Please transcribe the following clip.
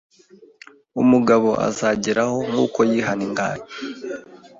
Umugabo azageraho nkuko yihanganye